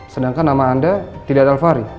sedangkan nama anda tidak talvari